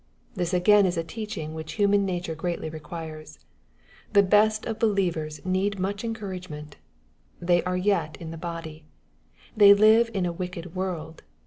This again is a teaching which human nature greatly requires. The best of believers need much encourage ment. They are yet in the body. They live in a wicked world.